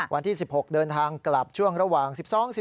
วันที่๑๖เดินทางกลับช่วงระหว่าง๑๒๑๖